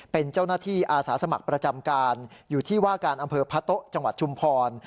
เป็นเจ้าหน้าที่อาสาสมัครประจำการอยู่ที่ว่าการอำเภอพะโต๊ะจังหวัดชุมพร